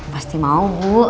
pasti mau bu